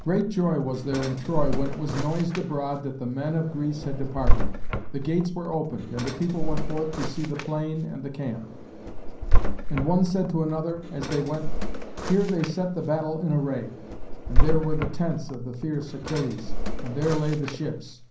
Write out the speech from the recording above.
Great joy was there in Troy when it was noised abroad that the men of Greece had departed. The gates were opened, and the people went forth to see the plain and the camp. And one said to another, as they went, "Here they set the battle in array, and there were the tents of the fierce Achilles, and there lay the ships."